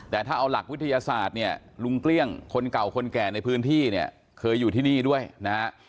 แต่ถ้าเอาหลักวิทยาศาสตร์เนี่ยลุงเกลี้ยงคนเก่าคนแก่ในพื้นที่เนี่ยเคยอยู่ที่นี่ด้วยนะฮะ